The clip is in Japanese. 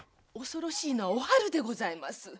恐ろしいのはおはるでございます。